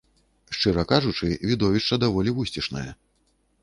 Шчыра кажучы, відовішча даволі вусцішнае.